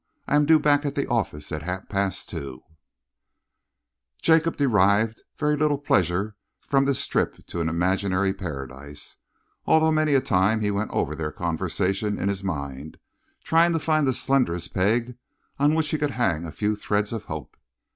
I am due back at the office at half past two." So Jacob derived very little real pleasure from this trip into an imaginary Paradise, although many a time he went over their conversation in his mind, trying to find the slenderest peg on which he could hang a few threads of hope.